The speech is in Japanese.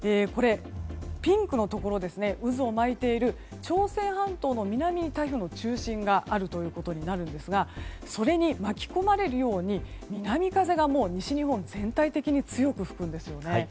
ピンクのところ渦を巻いている朝鮮半島の南に台風の中心があることになるんですがそれに巻き込まれるように南風が西日本全体的に強く吹くんですよね。